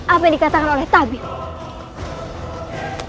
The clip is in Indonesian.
apa yang dikatakan oleh tabil